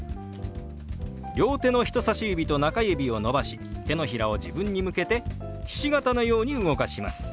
両手の人さし指と中指を伸ばし手のひらを自分に向けてひし形のように動かします。